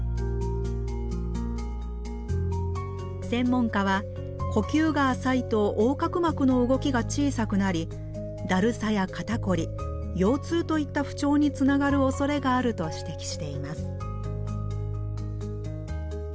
専門家は呼吸が浅いと横隔膜の動きが小さくなりだるさや肩こり腰痛といった不調につながるおそれがあると指摘しています。